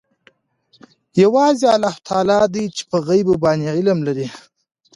یوازې الله تعلی دی چې په غیبو باندې علم لري.